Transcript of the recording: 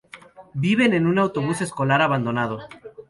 Viven en un autobús escolar abandonado.